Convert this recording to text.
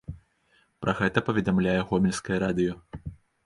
Пра гэта паведамляе гомельскае радыё.